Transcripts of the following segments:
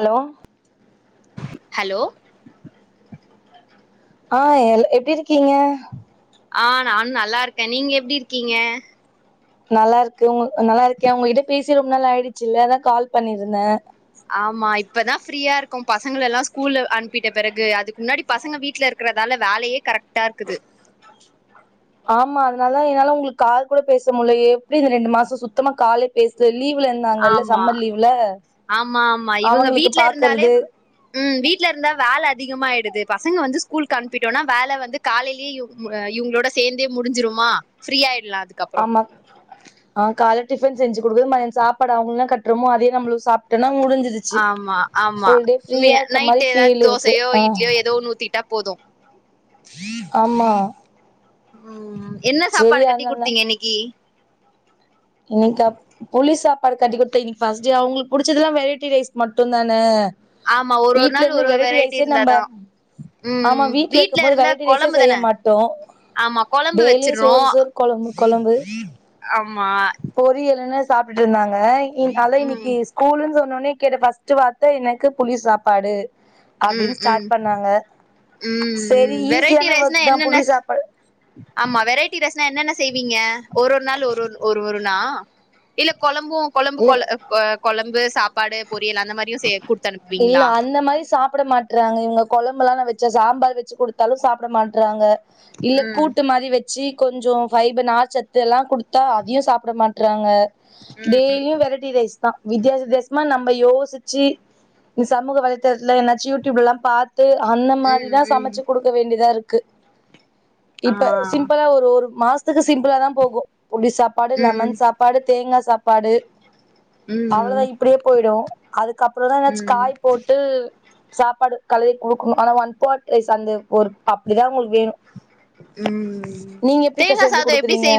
hello hello ஆ எல் எப்டி இருக்கீங்க ஆ நானு நல்லா இருக்கே நீங்க எப்டி இருக்கீங்க நல்லா இருக்கு உங்க நல்லா இருக்க உங்ககிட்ட பேசி ரொம்ப நாள் ஆயிடுச்சு இல்ல அதா கால் பண்ணிருந்த ஆமா இப்பதா ஃப்ரீயா இருக்கு பசங்க எல்லா ஸ்கூல்ல அனுப்பிட்ட பிறகு அதுக்கு முன்னாடி பசங்க வீட்ல இருக்கிறதால வேலையே கரெக்டா இருக்குது ஆமா அதனால என்னால உங்ளுக்கு கால் கூட பேச முட்லேயே எப்டி இந்த ரெண்டு மாசோ சுத்தமா காலே பேசல லீவ்ல இருந்தாங்கல்ல ஆமா சம்மர் லீவ்ல ஆமா ஆமா இவங்க அவங்களுக்கு வீட்ல இருந்தாலே பாக்கறது ம் வீட்ல இருந்தா வேல அதிகமாயிடுது பசங்க வந்து ஸ்கூலுக்கு அனுப்பிட்டோனா வேல வந்து காலையிலேயே இவுங்களோட சேந்தே முடிஞ்சுடுமா ஃப்ரீ ஆயிடலா அதுக்கு ஆமா ஆ கால்ல டிஃபன் செஞ்சு குடுக்கிறது மதியோ சாப்பாடு அவுங்க கட்டுறமோ அதயே நம்ம சாப்ட்டோனா முடிஞ்சி சு ஆமா ஆமா ஃபுல்டே ஃப்ரீயா இருக்க மாரி பீல் இருக்கு ஆ எதோ ஒன்னு ஊத்திட்டா போது ஆமா ம் என்ன செரி சாப்பாடு கட்டி அதனால குடுத்தீங்க இன்னிக்கி இன்னிக்கா புளி சாப்பாடு கட்டிக்குடுத்த இன்னிக்கி ஃபஸ்ட்டே அவுங்களுக்கு புடிச்சதெல்லா வெரைட்டி ரைஸ் மட்டு தான ஆமா ஒரு ஒரு வீட்ல நாள் இருந்து ஒரு ஒரு வெரைட்டி ரைஸ்சே நம்ப இருந்தாதா ஆமா ம் வீட்ல இருக்கு போது இருந்தா வெரைட்டி ரைஸ்சே கொழம்பு செய்ய தான மாட்டோ ஆமா கொழம்பு டெய்லி வச்சிர்றோ சோறு சோறு கொழம்பு கொழம்பு ஆமா பொரியலுனு சாப்ட்டுட்டு இருந்தாங்க இன் அதா ம் இன்னிக்கி ஸ்கூலுன்னு சொன்னோனே கேட்ட ஃபஸ்ட்டு வார்த்த எனக்கு புளி சாப்பாடு ம் அப்டின்னு ம் ம் ஸ்டார்ட் பண்ணாங்க ம் செரி வெரைட்டி ஈஸியான ரைஸ்னா வேர்க் தா என்னென்ன புளி சாப்பாடு ஆமா வெரைட்டி ரைஸ்னா என்னென்ன செய்வீங்க ஒரு ஒரு நாள் ஒரு ஒரு ஒரு நா இல்ல கொழம்பு கொழம்பு இல்ல கொழ கொழம்பு சாப்பாடு பொறியல் அந்த மாரி இல்ல அந்த மாரி சாப்பிட மாட் றாங்க இவங்க கொழம்புல்லா நா வச்சா சாம்பார் வெச்சு குடுத்தாலு சாப்ட மாட்றாங்க இல்ல ம் கூட்டு மாரி வச்சி கொஞ்சோ ஃபைப நார் சத்து எல்லா குடுத்தா அதையு சாப்ட மாட்றாங்க டெய்லியு வெரைட்டி ரைஸ் தா வித்தியாச வித்தியாசமா நம்ப யோசிச் சி இந்த சமூக வலைத்தளத்துல என்னாச்சி யூடியுப்லல்லா பாத்து அந்த ம் மாரிதா ம் சமச்சி குடுக் க வேண்டியதா இருக்கு ஆ இப்ப சிம்பிளா ஒரு ஒரு மாஸ் த்துக்கு சிம்பிளா தா போகு புளி சாப்பாடு ம் லெமன் சாப்பாடு தேங்கா சாப்பாடு ம் அவ்ளோதா இப்படியே போய்டு அதுக்கப்பறோ தா என்னாச்சு ம் காய் போட்டு சாப்பாடு காலேல குடுக்கணு ஆனா ஒன் பாட் ரைஸ் அந்த ஒரு அப்படிதா அவங்குளுக்கு வேணு ம் நீங்க எப்படிக்கா தேங்கா செஞ்சு சாதோ எப்டி குடுக்குறீங்க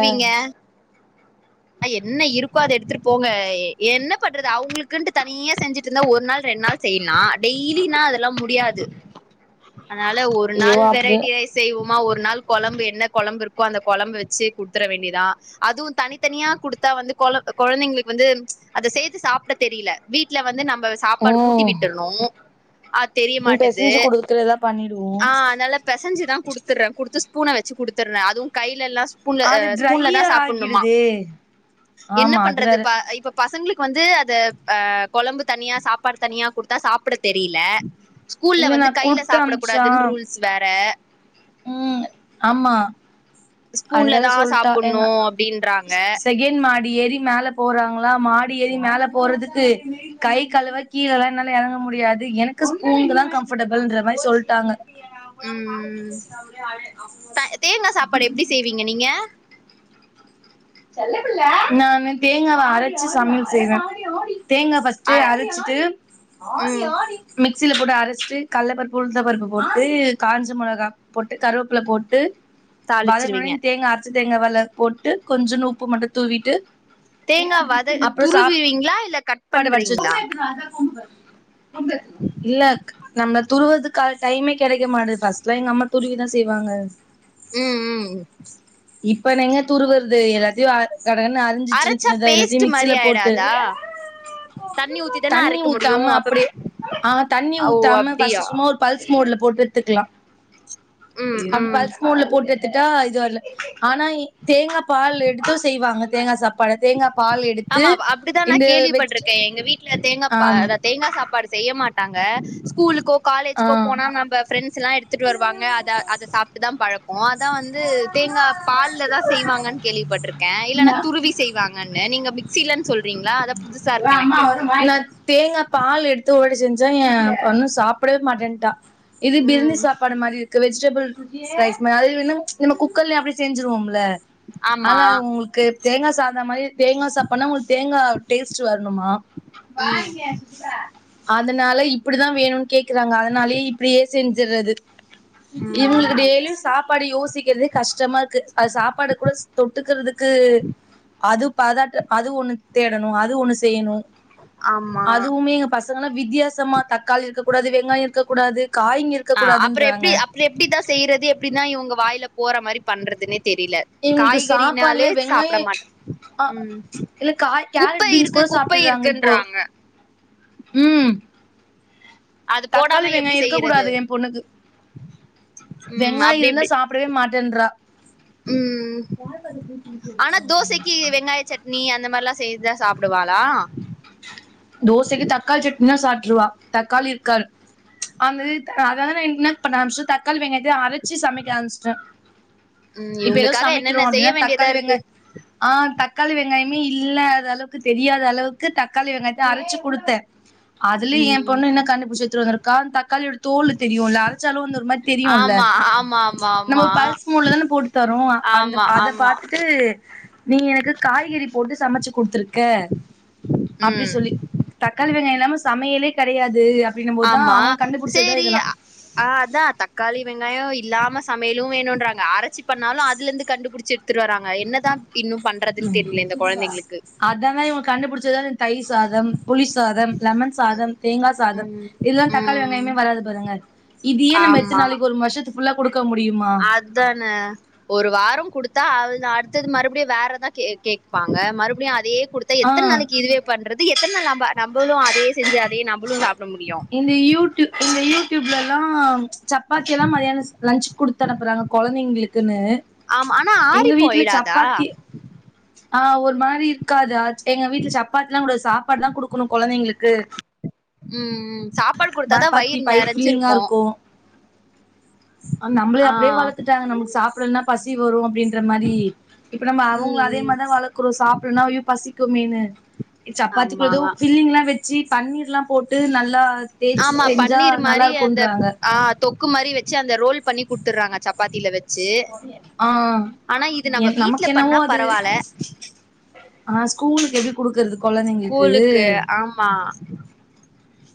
நா என்ன இருக்கோ அத எடுத்துட்டு போங்க என்ன பண்றது அவுங்களுக்குன்ட்டு தனியா செஞ்சுட்டு இருந்தா ஒரு நாள் ரெண் நாள் செய்லா டெய்லினா அதெல்லா முடியாது அதனாலே ஒரு ஐயோ நாள் அப்டி வெரைட்டி ரைஸ் செய்வோமா ஒரு நாள் கொழம்பு என்ன கொழம்பு இருக்கோ அந்த கொழம்பு வச்சி குடுத்துர வேண்டி தா அதுவு தனி த்தனியா குடுத்தா வந்து கொழ கொழந்தைங்களுக்கு வந்து அத சேத்து சாப்டத் தெரியல வீட்ல வந்து நம் இப்ப சாப்பாடு ஊட்டி ம் விட்டுர்ணு அ தெரிய ம் மாட்டது பெசஞ்சு குடுக்குறதா பண்ணிடுவோ ஆ ஆனால பெசஞ்சிதா குடுத்துர்ற குடுத்து ஸ்பூன வச்சி குடுத்துர்ற அதுவு கைலல்லா புனு அ அது ஸ்பூன்ல தா ட்ரையா சாப்புட்ணுமா ஆகிடுதே என்ன ஆமா அது வேற பண்றதுப்பா இப்ப பசங்களுக்கு வந்து அது அ கொழம்பு தனியா சாப்பாடு தனியா குடுத்தா சாப்புடத் தெரியல இல்ல நா குடுத்த அம்ப்ச்சா ஸ் வேற ம் ஆமா ஸ்பூன்ல அதுனால தா சொல்ட்டா சாப்புட்ணு ஏங்க அப்டின்றாங்க செகண்ட மாடி ஏறி மேல போறாங்களா மாடி ஏறி மேல போறதுக்கு கை கழுவ கீழயெல்லா என்னால எறங்க முடியாது எனக்கு ஸ்பூன்ங்க தா கம்ஃபர்டபிள்ன்ற மாரி சொல்ட்டாங்க ம் த தேங்கா சாப்பாடு [unintelligible] எப்டி செய்வீங்க நீங்க நானு தேங்காவ அரச்சி சமையல் செய்வ தேங்கா ஃபஸ் ட்டு அர அரச்சிட்டு ம் மிக்சில போட்டு அரச்சிட்டு கட்ல பருப்பு உளுத்தப் பருப்பு போட்டு காஞ்ச மொளகா போட்டு கருவேப்ல போட்டு தாளிச்சிருவீங்க வதங்குனோன்னே தேங்கா அரச்ச தேங்காவ அல போட்டு கொஞ்சோண்டு உப்பு மட்டு தூவிட்டு தேங்கா வத துருவிவீங்ளா இல்ல கட் பாடு வடிச்சு பண்றீங்களா இல்லக் நம்ம துருவுறதுக்கான டைமே கெடக்க மாட்டுது ஃபர்ஸ்ட்லா எங்க அம்மா துருவிதா செய்வாங்க ம் ம் ம் இப்ப நா எங்க துருவுறது எல்லாத்தையு அ கடகனு அரிஞ்சு சின்ன அரச்சா சின்னதா எல்லாத்தயு பேஸ்ட் மாரி மிக்சில போட்டு ஆயிடாதா தண்ணி ஊத்தி தான தண்ணி அரைக்க முடியு ஊத்தாம அப்ப அப்பிடி ஆ தண்ணி ஓ ஊத்தாம அப்டியா ஃபஸ்ட்டு சும்மா ஒரு பல்ஸ் மோட்ல போட்டு எட்த்துக்கலா ம் அப் ம் பல்ஸ் மோட்ல போட்டு எட்த்துட்டா இது வரல ஆனா தேங்காப்பால் எடுத்து செய்வாங்க தேங்கா சாப் பாட தேங்காப்பால் எடுத்து இந்த வெச் தே எங்க வீட்ல தேங்காப்பா தேங்கா சாப்பாடு செய்ய மாட்டாங்க ஸ்கூலுக்கோ ஆ காலேஜ்க்கோ போனா நம்ப ஃப்ரெண்ட்ஸ்ல்லா எடுத்துட்டு வருவாங்க அத அத சாப்ட்டு தா பழக்கோ அதா வந்து தேங்கா பால்ல தா செய்வாங்கன் கேள்விப்பட்ருக்கே இல்லன்னா துருவி செய்வாங்கன்னு நீங்க மிக்ஸிலன் சொல் றீங்ளா அதா புதுசாருக்கு எனக்கு [unintelligible] தேங்காப்பால் எடுத்து ஒரு வாட்டி செஞ்சே எ பொண்ணு சாப்டவே மாட்டேன்ட்டா இது பிர்ணி ம் சாப்பாடு மாரி க்கு வெஜிடபிள் ஸ்லைஸ் மாரி அது வேணா நம்ம குக்கர்லயே அப்டியே செஞ்சிருவோம்ல ஆமா ஆனா அது உங்ளுக்கு தேங்கா சாதோ மாரி தேங்கா சாப்பாடுன்னா உங்ளுக்கு தேங் டேஸ்ட்டு வர்ணுமா ம் அதனால இப்டிதா வேணுன் கேக்குறாங்க அதனாலயே இப்டியே செஞ்சிர்றது இவுங்ளுக்கு ம் டெய்லியு சாப் சாப்பாடு யோசிக்கிறதே கஷ்டமாருக்கு அது சாப்பாடு கூட தொட்டுக்கறதுக்கு அது பாதாட்ட அது ஒண்ணு தேடணு அது ஒண்ணு செய்யணு ஆமா அதுவுமே எங்க பசங்கல்லா வித்தியாசமா தக்காளி இருக்கக் கூடாது வெங்காயோ இருக்கக் கூடாது காய்ங்க இருக் ஆ அப்றோ எப்டி அப்றோ எப்டித்தா செய்றது எப்டித்தா இவங்க வாய்ல போற மாரி பண்றதுன்னே தெரில இவுங்களுக்கு சாப்பாடுல காய்கறினாலே வெங்காயோ சாப்ட மாட்டே அ ம் இல்ல காய் குப்பை கேரட் பீன்ஸ் இருக்கு கூட குப்பை சாப்டுறாங்க இப்போ இருக்குன்றாங்க ம் அது தக்காளி போடாம எப்டி வெங்காயோ‌ இருக்க செய்யறது கூடாது எ பொண்ணுக்கு ம் வெங்காயோ அப்டி இருந்தா இப்டி சாப் ப்டே மாட்டேன்றா ம் க்கி வெங்காய சட்னி அந்த மாரில்லா செய்தா சாப்டுவாளா தோசக்கி தக்காளி சட்னினா சாப்டுருவா தக்காளி இருக்காரு அந்மேரி அதாது நா என்ன பண்ண ஆரமிச்சே தக்காளி வெங்காயத்த அரச்சு சமைக்க ஆரம்பிச்ட்டே ம் இப்ப எதோ இவுங்களுக்காக சமைக்கிறோ என்னென்ன செய்ய அப்டின்னா வேண்டியதா தக்காளி வெங்க இருக்கு ஆ தக்காளி வெங்காயமே இல்லாதளவுக்கு தெரியாதளவுக்கு தக்காளி வெங்காய அரச்சு குடுத்தே அதுல எ ம் பொண்ணு என்ன கண்டுபுடிச்சு எட்த்து வந்துரு க்கா அந் தக்காளியோட தோலு தெரியுல அரச்சாலு வந்து ஒரு மாரி தெரியுல ஆமா ஆமா நம்ம ஆமா ஒரு ஆமா பல்ஸ் மூட்ல தான போட்டு தரோ அந்த ஆமா அத ஆமா பாத் து நீ எனக்கு காய்கறி போட்டு சமச்சு குடுத்துருக்க அப்டி சொல்லி ம் தக்காளி வெங்காயோ இல்லாம சமயலே கெடயாது அப்டின்னம் போதா ஆமா அவங்களுக்கு கண்டுபுடிச்சது தா சேரி இதெல்லா ஆ அதா தக்காளி வெங்காயோ இல்லாம சமையலு வேணுன்றாங்க அரச்சி பண்ணாலு அதுலந்து கண்டுபுடிச்சி எடு த்துட்டு வர்றாங்க என்னதா இன்னு பண்றதுன் தெரில இந்த கொழந்தைங்களுக்கு அதாங்க இவங்க கண்டுபுடிச்சது தா இந்த தயிர் சாதம் புளி சாதம் லெமன் சாதம் தேங்கா சாதம் ம் இதுலல்லா தக்காளி ம் வெங்காயமே வராது பாருங்க இதியே நம்ம எத்தன் நாளைக்கு ஒரு வர்ஷத்து ஃபுல்லா குடுக்க முடியு அதானே ஒரு வாரோ குடுத்தா அவ்ள தா அடுத்தது மறுப்டியு வேறதா கே கேப்பாங்க மறுப்டி அதே குடு த்தா ஆ எத்தன் நாளைக்கு இதுவே பண்றது எத்தன் நாள் நம்ப நம்பளு அதே செஞ்சு அதே நம்பளு சாப்ட முடியு இந்த யூடூ இந்த யூடூப்லல்லா சப்பாத்தி எல்லா மதியான லன்ச் குடு த்தனுப்புறாங்க கொழந்தைங்ளுக்குனு ஆமா ஆனா எங்க ஆறி வீட்ல போயிடாதா சப்பாத்தி ஆ ஒரு மாரி இருக்காதா எங்க வீட்ல சப்பாத்தில்லா கூடாது சாப்பாடு தா குடுக்கணு கொழந்தைங்களுக்கு ம் ம் சாப்பாடு குடுத்தாதா பாத்தி வயிறு பயிர் நெறஞ்சிருக்கு ஆ நம்ளே அப்டியே வளத்துட்டாங்க நம்ளுக்கு சாப்புலன்னா பசி வரு அப்டின் ல்றமாரி இப்ப நம்ம அவுங்கள ம் அதே ம் மாரிதா வளக்கறோ சாப்ல்லனா ஐயோ பசிக்குமேனு ஆமா சப்பாத்திக்குள்ள எதோ ஃபில்லிங்லா வச்சு பன்னீர்லா போட்டு நல்லா ஆ தேய்ச்சு ஆமா செஞ்சா பன்னீர் மாரி அந்த நல்லாருக்குன்றாங்க ஆ தொக்கு மாரி வச்சு அந்த ரோல் பண்ணி குடுத்துறாங்க சப்பாத்தில வச் ஆ நம்ம என் வீட்ல நமக்கென்னவோ பண்ணா அது பரவால்ல ஆ ஸ்கூலுக்கு எப்டி குடுக்கறது கொழந்தைங்களுக்கு கூலுக்கு ஆமா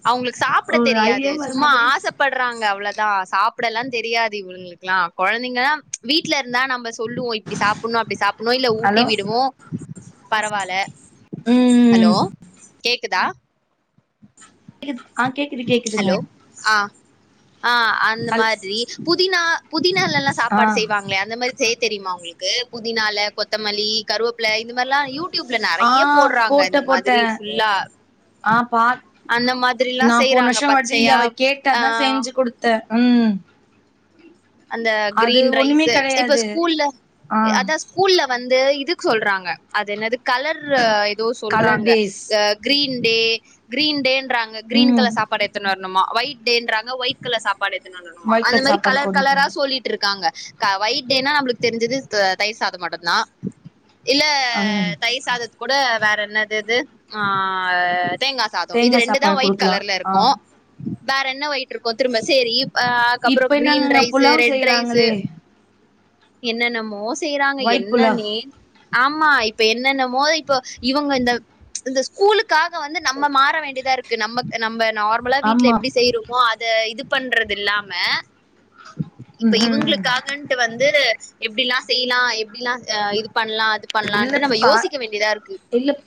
அவுங்களுக்கு சாப்ட ஒரு தெரியாது ஐடியா வர சும்மா மாட்டது ஆசப்பட்றாங்க அவ்ளோதா சாப்டல்லா தெரியாது இவுங்களுக் குலா கொழந்தைங்க வீட்ல இருந்தா நம்ப சொல்லுவோ இப்டி சாப்புட்ணு அப்டி சாப் புட்டு இல்ல ஊட்டி ஹலோ விடுவோ பரவால்ல ம் ஹலோ கேக்குதா கேக்குது ஆ கேக்குது ட்டு கேக்குதுங்க ஹலோ ஆ ஆ அந்த ஹல் மாரி புதினா புதினாலல்லா ஆ சாப்பாடு செய்வாங்களே அந்த மாரி செய்ய தெரியுமா உங்களுக்கு புதினால கொத்தமல்லி கருவேப்ல இந்த மாரில்லா யூ டியூப்ல ஆ நெறைய போட்றாங்க போட்ட இந்த போட்ட மாதிரி ஃபுல்லா ஆ பாத் அந்த மாதிரில்லா நா க்கிறாங்க பச்சையா ஆ குடுத்த ம் அந்த அது கிரீன் ஒண்ணுமே ரைஸ்ஸு இப்ப கெடையாது ஸ்கூல்ல ஆ அத ஸ்கூல்ல வந்து இதுக்கு சொல்றாங்க அது என்னது கலர் ஏதோ கலர் சொல்றாங்க டேஸ் ஆ கிரீன் டே கிரீன்டேன்றாங்க கிரீன் ம் கலர் சாப் பாடு எடுத்துட்டு வரணுமா ஒயிட் டேன்றாங்க ஒயிட் கலர் சாப்பாடு எடுத்துட்டு வரணுமா வயித்த அந்தமாரி சாப்பாடு கலர் கொண்டு கலரா போணு சொல்லிட்டு இருக்காங்க க ஒயிட் டேனா நம்மளுக்கு தெரிஞ்சது ஆ தயிர் சாதோ மட்டுந்தா இல்ல அம் தயிர்சாதத்து கூட வேற என்னது இது ஆ தேங்கா சாதோ இது தேங்கா ரெண்டு தா சாப்பாடு ஒயிட் குடுக்கலா கலர்ல ஆ இருக்கு வேற என்ன ஒயிட் இருக்கு திரும்ப சேரி் ஆ அதுக்கப்புற இப்ப கிரீன் என்னங்கங்க ரைஸு புலாவ் செய்றாங்களே என்னன்னமோ செய்யறாங்க ஒயிட் புலாவ் என்னன்னே ஆமா இப்ப என்னன்னமோ இப்போ இவுங்க இந்த இந்த ஸ்கூலுக் காக வந்து நம்ம மாற வேண்டியதா இருக்கு நம்மக் நம்ப நார்மலா வீட்ல ஆமா எப்டி செய்றோமோ அந் த இது பண்றது இல்லாம இப்ப ம் ம் இவுங்களுக்காகன்ட்டு வந் து எப்டிலா செய்லா எப்டிலா ஆ இது பண்லா அது பண்லான்ட்டு நம்ம இல்லப்பா யோசிக்க வேண்டியதா இருக்கு இல்லப்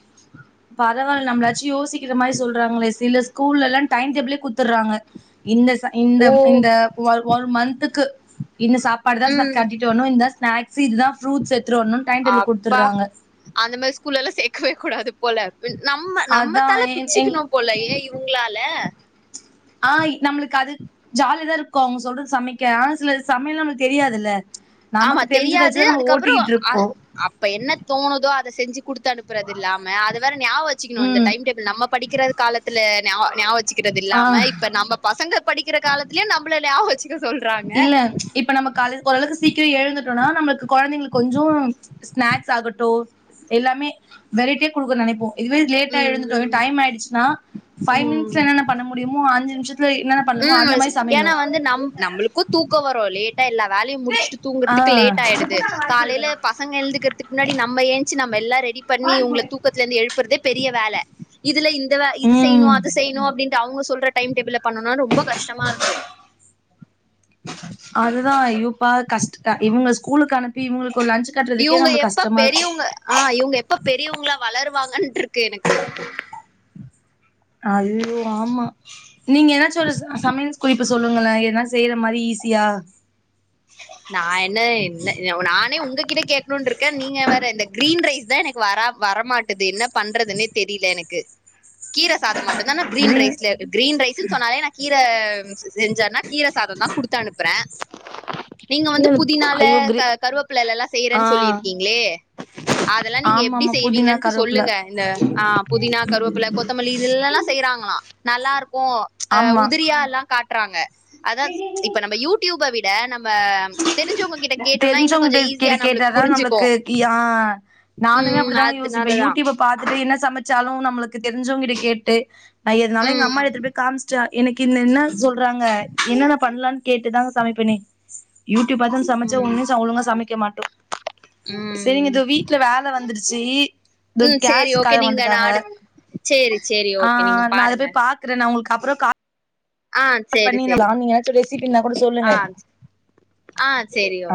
பரவால்ல நம்ளாச்சு யோசிக்கிற மாரி சொல்றாங்களே சில ஸ்கூல்லல்லா டைம் டேபிளே குடுத்துர்றாங்க இந்த ச இந்த ஓ இந்த ஒரு ஒரு மந்த்துக்கு இன்ன சாப்பாடுதா ச ம் கட்டிட்டு வர்ணு இதா ஸ்னாக்ஸு இதுதா ஃப்ரூட்ஸ் எடுத்துட்டு வர்ணுன் அப்பா அந்த மாரி ஸ்கூல்லல்லா சேக்கவே கூடாது போல ம் நம்ம நம்ம அதா தல எ எங் பிச்சுக்கணும் போலயே இவுங்களால ஆ நம்மளுக்கு அது ஜாலிதா இருக்கும் அவுங்க சொல்றது சமைக்க ஆனா சிலது சமையல்லா நம்மளுக்கு தெரியாது இல்ல ஆமா தெரியாது அதுக்கப்புற ஆ இருக்கோ அப்ப என்ன தோணுதோ அத செஞ்சு குடுத்தனுப்புறது இல்லாம அது வேற நியாவக வச்சுக்கணு இந்த ம் டைம் டேபிள் நம்ம படிக்கிறது காலத்துல நியா நியாவ வச்சு க்கிறது ஆ இல்லாம இப்ப நம்ம பசங்க படிக்கிற காலத்துலயூ நம்மள நியாவக வச்சு க்கு சொல்றாங்க இல்ல இப்ப நம்ம கால்ல ஓரளவுக்கு சீக்கிரோ எழுந்துட்டோன்னா நம்மளுக்கு கொழந்தைங்களுக்கு கொஞ்சு ஸ்நாக்ஸ் ஆகட்டு எல்லாமே வெரைட்டியா குடுக்க நெனைப்போ இதுவே லேட்ட ம் எழுந்துட்டோ ம் டைம் ஆயிடுச்சன்னா ஃபை ம் மினிட்ஸ்ல என்னென்ன பண்ண முடியுமோ அஞ்சு நிமிஷ ம் ஏன்னா வந்து நம் நம்மளுக்கு தூக்க வரு லேட்டா எல்லா வேலையு முடிச்சுட்டு ஆ தூங்கறதுக்கு லேட் ஆயிடுது காலையில பச பசங்க எழுதுக்கறதுக்கு முன்னாடி நம்ம ஏன்ச்சி நம்ம எல்லா ரெடி பண்ணி இவங்கள தூக்கத்தலருந்து எழுப்புறதே பெரிய வேல இதுல இந்த வே இது செய்யணு ம் அது செய்யணு அப்டின் ட்டு அவங்க சொல்ற டைம் டேபிள்ல பண்ணுன்னா ரொம்ப கஷ்டமா இருக்கு அதுதா ஐயோயப்பா கஷ்ட இவங்க ஸ்கூலுக்கு அனுப்பி இவங்களுக்கு ஒரு லன்ச் கட்டுறதுக்கே இவங்க நமக்கு எப்ப கஷ்டமா இருக் பெரியவங்க ஆ இவங்க எப்ப பெரியவங்களா வளருவாங்கட்டு இருக்கு எனக்கு ஐய்யய்யோ ஆமா நீங்க என்னாச்சு ஒரு சமையல் குறிப்பு சொல்லுங்களே எதனா செய்யற மாரி ஈஸியா நா என்ன என்ன நானே உங்ககிட்ட கேட்கணுன்னு இருக்கே நீங்க வேற இந்த கிரீன் ரைஸ் தா எனக்கு வர வரமாட் டுது என்ன பண்றதுன்னே தெரில எனக்கு கீர சாதோ மட்டுதான கிரீன் ரைஸ்ல கிரீன் ரைஸ்ன்னு சொன்னாலே நா கீர செஞ்சேன்னா கீர சாதோ தா குடுத்து அனுப்புறே நீங்க வந்து இல்ல புதினால ஐயோ கிரீ கருவேப்பிள்ளலா ஆ செய்யறேன்னு சொல்லி இருக்கீங்களே அதெல்லா நீங்க ஆமா எப்டி ஆமா புதினா செய்வீங்கன்ட்டு கருவேப்பில சொல்லுங்க இந்த ஆ புதினா கருவேப்பில கொத்த மல்லி இதுல எல்லா செய்யறாங்களா நல்லா இருக்கு ஆ ஆமா உதிரியா எல்லா‌ கா ட்றாங்க அதா இப்ப நம்ம யூடியூப்ப விட நம்ம நம்ப தெரிஞ்சவங்ககிட்ட கேட்டோம்னா இன்னு‌ தெரிஞ்சவங்கிட்ட கொஞ்சோ கிட்ட ஈஸியா நம்மளுக்கு கேட்டாதா புரிஞ்சுக்கு [unintelligible] நானுமே ம் அப்டித்தாங்க யோசிப்பே அதனாலதா யூடியூப்ப பாத்துட்டு என்ன சமச்சாலு நம்மளுக்கு தெரிஞ்சவங்கிட்ட கேட்டு நா எதுனாலு எங்க அம்மா ம் எடுத்துட்டு போய் காமிச் [unintelligible] எனக்கு இன்ன என்ன சொல்றாங்க என்னென்ன பண்ணலான்னு கேட்டுதா சமைப்பேனே யூடியூப்பாத்து சமச்சா ம் ஒன்னு ஒழுங்க சமைக்க மாட்டோ செரிங்க ம் தோவி வீட்ல வேல வந்துருச்சு இதோ ம் சேரி கேஸ் ஓகே காரங்க நீங்க நா வந்துட்டாங்க அடுத் சேரி சேரி ஆ ஓகே நீங்க நா அத பாருங்க போய் பா கற நா உங்களுக்கு அப்றோ கா ஆ கால் சேரி பண்ணி சேரி [unintelligible] எதாச்சு ரெசிப்பி இருந்தா ஆ சொல்லுங்க ஆ சேரி ஓ